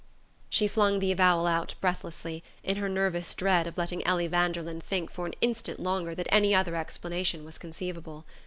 She flung the avowal out breathlessly, in her nervous dread of letting Ellie Vanderlyn think for an instant longer that any other explanation was conceivable.